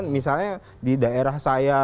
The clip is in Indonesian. misalnya di daerah saya